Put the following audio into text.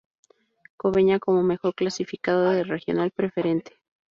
Cobeña como mejor clasificado de Regional Preferente.